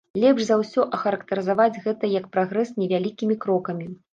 Лепш за ўсё ахарактарызаваць гэта як прагрэс невялікімі крокамі.